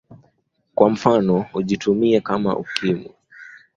kwa mfano ujitumie Kama ukimwi.